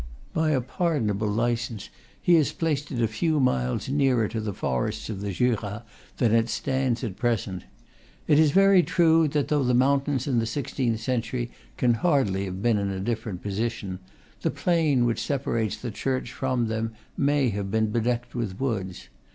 By a pardonable license he has placed it a few miles nearer to the forests of the Jura than it stands at present. It is very true that, though the mountains in the sixteenth century can hardly have been in a different position, the plain which separates the church from them may have been bedecked with woods.